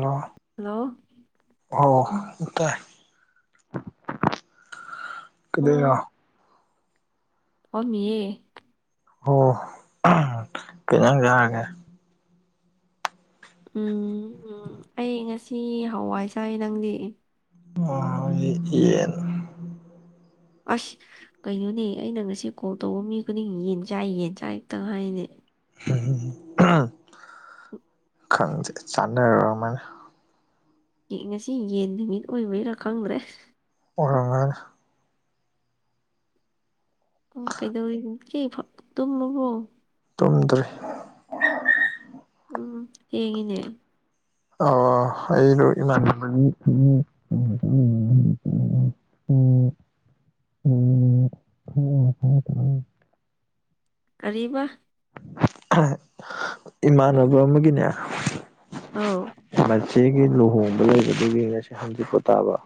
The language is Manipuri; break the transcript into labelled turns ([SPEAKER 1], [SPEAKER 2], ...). [SPEAKER 1] ꯅ
[SPEAKER 2] ꯍꯜꯂꯣ
[SPEAKER 1] [inaudible]
[SPEAKER 2] ꯐꯝꯃꯤꯌꯦ
[SPEAKER 1] ꯑꯣ ꯀꯇꯪ ꯌꯥꯔꯒꯦ
[SPEAKER 2] ꯎꯝ ꯑꯩ ꯉꯁꯤ ꯍꯋꯥꯏꯁꯥꯏ ꯅꯪꯗꯤ
[SPEAKER 1] ꯌꯦꯟ
[SPEAKER 2] ꯑꯁ ꯀꯩꯅꯣꯅꯦ ꯑꯩꯅ ꯉꯁꯤ ꯀꯣꯜ ꯇꯧꯕ ꯃꯤ ꯈꯨꯗꯤꯡ ꯌꯦꯟ ꯆꯥꯏ ꯌꯦꯟ ꯆꯥꯛ ꯛꯇꯪ ꯍꯥꯏꯅꯦ
[SPEAKER 1] [unintelligible]
[SPEAKER 2] ꯎ
[SPEAKER 1] ꯈꯪꯁꯦ ꯆꯥꯟꯅꯔꯃꯥꯏꯅ
[SPEAKER 2] ꯉꯁꯤ ꯌꯦꯟ ꯅꯨꯃꯤꯠ ꯑꯣꯏꯕꯩꯔꯥ ꯈꯪꯗ꯭ꯔꯦ
[SPEAKER 1] [inaudible]
[SPEAKER 2] ꯀꯩꯗꯧꯔꯤ ꯏꯆꯦ ꯇꯨꯝꯂꯨꯕꯣ
[SPEAKER 1] ꯇꯨꯝꯗ꯭ꯔꯦ
[SPEAKER 2] ꯎꯝ ꯍꯡꯉꯤꯅꯦ
[SPEAKER 1] [inaudible] ꯎꯝ ꯎꯝ ꯑꯣ ꯐ
[SPEAKER 2] ꯑꯔꯤꯕ
[SPEAKER 1] ꯏꯃꯥꯟꯅꯕ ꯑꯃꯒꯤꯅꯦ
[SPEAKER 2] ꯑꯥꯎ
[SPEAKER 1] ꯃꯆꯦꯒꯤ ꯂꯨꯍꯣꯡꯕ ꯂꯩꯕꯗꯨ ꯌꯦꯡꯉꯁꯤ ꯍꯪꯆꯤꯄꯣ ꯇꯥꯕ